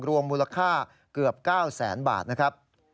รวมมูลค่าเกือบ๙แสนบาทนะครับ